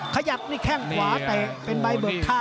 ขยับในแข้งขวาแต่เป็นใบเบิกข้าง